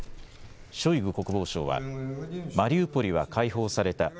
ショイグ国防相はマリウポリは解放された。